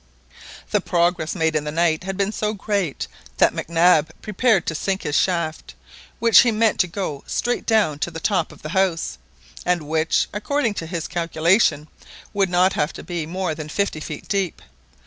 The progress made in the night had been so great that Mac Nab prepared to sink his shaft, which he meant to go straight down to the top of the house; and which, according to his calculation, would not have to be more than fifty feet deep.